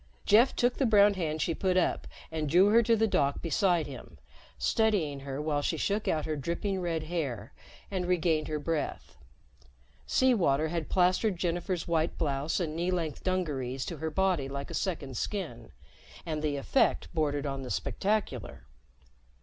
Jeff took the brown hand she put up and drew her to the dock beside her, steadying her while she shook out her dripping red hair and regained her breath. Sea water had plastered Jennifer's white blouse and knee length dungarees to her body like a second skin, and the effect bordered on the spectacular.